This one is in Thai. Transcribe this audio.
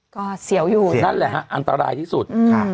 ก็เสียวอยู่นะอันตรายที่สุดโควิดนั่นแหละฮะอันตรายที่สุด